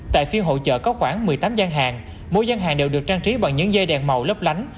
tại phiên hội trợ có khoảng một mươi tám gian hàng mỗi gian hàng đều được trang trí bằng những dây đèn màu lấp lánh